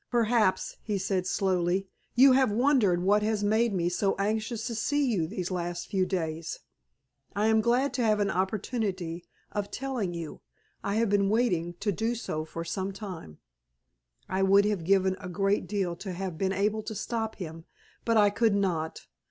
"Perhaps," he said, slowly, "you have wondered what has made me so anxious to see you these last few days. I am glad to have an opportunity of telling you. I have been wanting to for some time." I would have given a good deal to have been able to stop him, but I could not.